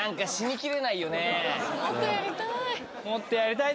もっとやりたーい。